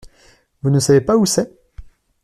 Vous ne savez pas où c’est ?